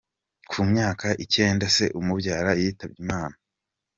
Ku myaka icyenda se umubyara yitabye Imana.